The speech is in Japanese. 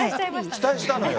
期待したのよ。